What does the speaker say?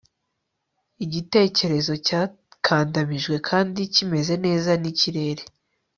igitekerezo cyakandamijwe kandi kimeze neza nikirere